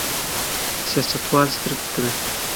سیاستوال سترګې پټوي.